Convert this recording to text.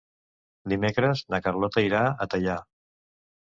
Dimecres na Carlota irà a Teià.